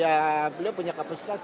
ya beliau punya kapasitas